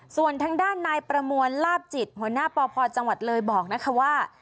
ส่วนทางด้านนายประมวลลาบจิตหัวหน้าปพจังหวัดเลยบอกนะคะว่า